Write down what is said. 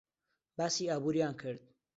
باسی ئابووریان کرد.